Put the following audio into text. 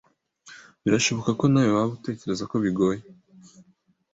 Birashoboka ko nawe waba utekereza ko bigoye